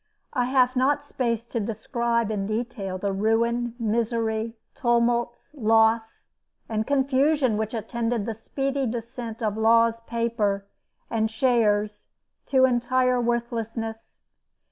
I have not space to describe in detail the ruin, misery, tumults, loss and confusion which attended the speedy descent of Law's paper and shares to entire worthlessness.